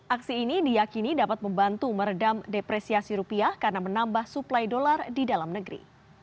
aksi ini diyakini dapat membantu meredam depresiasi rupiah karena menambah suplai dolar di dalam negeri